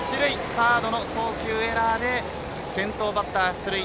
サードの送球エラーで先頭バッター出塁。